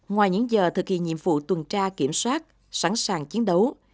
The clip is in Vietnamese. ngoài những giờ thực hiện nhiệm vụ tuần tra kiểm soát sẵn sàng chiến đấu